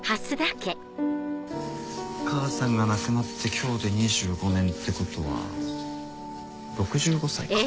母さんが亡くなって今日で２５年ってことは６５歳か。